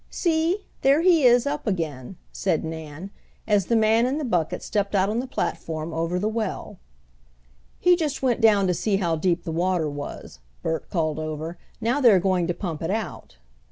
"See, there he is up again," said Nan, as the man in the bucket stepped out on the platform over the well. "He just went down to see how deep the water was," Bert called over. "Now they are going to pump it out."